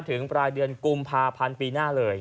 ถึงปลายเดือนกุมพา๑๐๐๐ปีหน้าเลย